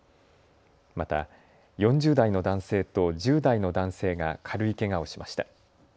また４０代の男性と１０代の男性が軽いけがをしました。